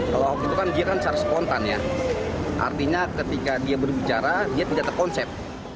kalau ahok itu kan dia kan secara spontan ya artinya ketika dia berbicara dia tidak terkonsep